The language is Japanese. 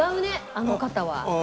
あの方は。